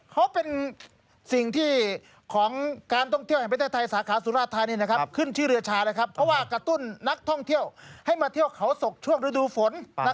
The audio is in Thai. เขาเป็นสิ่งที่ของการท่องเที่ยวแห่งประเทศไทยสาขาสุราธานีขึ้นชื่อเรือชาเลยครับเพราะว่ากระตุ้นนักท่องเที่ยวให้มาเที่ยวเขาศกช่วงฤดูฝน